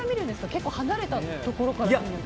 結構離れたところから？